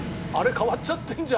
変わっちゃってんじゃん。